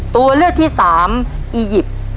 ตัวเลือกที่สามอียิปต์